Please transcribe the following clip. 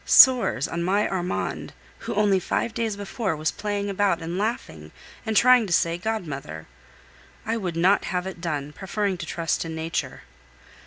Sores on my Armand! who only five days before was playing about, and laughing, and trying to say "Godmother!" I would not have it done, preferring to trust in nature.